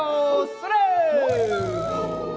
それ！